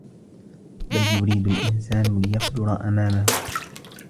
بَل يُريدُ الإِنسانُ لِيَفجُرَ أَمامَهُ